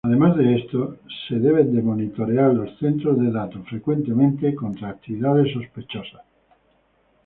Adicional a esto, los centros de datos deben ser monitoreados frecuentemente contra actividad sospechosa.